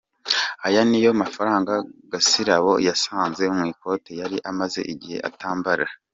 Aya niyo mafaranga Gasirabo yasanze mu ikote yari amaze igihe atambara.